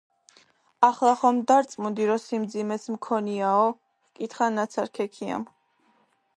ახლა ხომ დარწმუნდი, რა სიმძიმეც მქონიაო? - ჰკითხა ნაცარქექიამ.